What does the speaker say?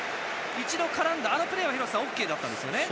一度絡んだあのプレーはＯＫだったんですよね？